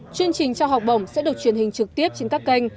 chương trình trao học bổng sẽ được truyền hình trực tiếp trên các kênh